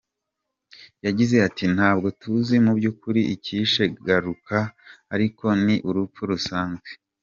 Yagize ati “Ntabwo tuzi mu by’ukuri icyishe Garuka, ariko ni urupfu rusanzwe.